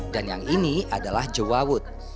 dan yang ini adalah jewawut